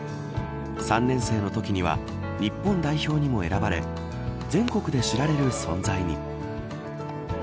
３年生のときには日本代表にも選ばれ全国で知られる存在に。